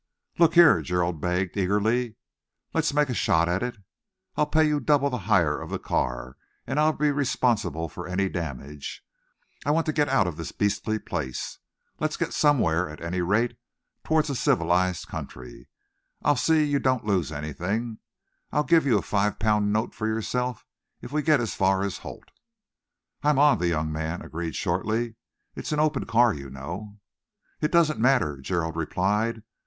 "Look here," Gerald begged eagerly, "let's make a shot at it. I'll pay you double the hire of the car, and I'll be responsible for any damage. I want to get out of this beastly place. Let's get somewhere, at any rate, towards a civilised country. I'll see you don't lose anything. I'll give you a five pound note for yourself if we get as far as Holt." "I'm on," the young man agreed shortly. "It's an open car, you know." "It doesn't matter," Gerald replied.